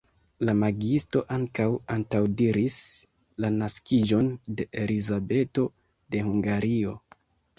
La magiisto ankaŭ antaŭdiris la naskiĝon de Elizabeto de Hungario.